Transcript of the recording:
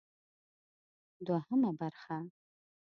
دوهمه برخه: